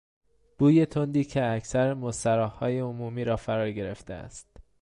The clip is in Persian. بوی تندی که اکثر مستراحهای عمومی را فراگرفته است